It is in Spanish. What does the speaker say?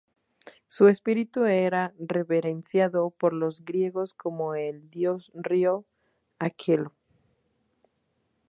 Su espíritu era reverenciado por los griegos como el dios-río Aqueloo.